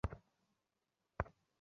Esther কী পারে বিশ্বাসই করতে পারবে না।